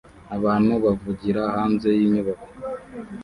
abantu bavugira hanze yinyubako